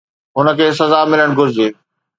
هن کي سزا ملڻ گهرجي.